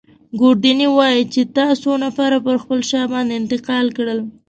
ګوردیني وايي چي تا څو نفره پر خپله شا باندې انتقال کړل.